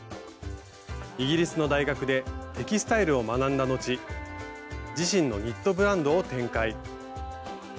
イギリスの大学でテキスタイルを学んだのち自身のニットブランドを展開。